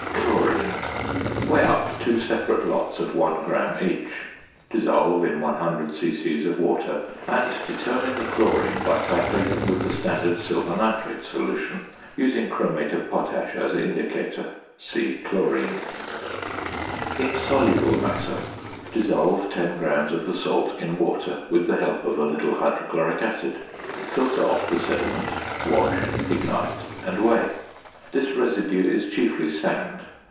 ~Chlorine.~ Weigh up two separate lots of 1 gram each; dissolve in 100 c.c. of water, and determine the chlorine by titrating with the standard silver nitrate solution, using chromate of potash as indicator. See Chlorine. ~Insoluble Matter.~ Dissolve 10 grams of the salt in water with the help of a little hydrochloric acid. Filter off the sediment, wash, ignite, and weigh. This residue is chiefly sand.